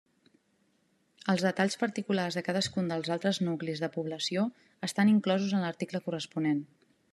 Els detalls particulars de cadascun dels altres nuclis de població estan inclosos en l'article corresponent.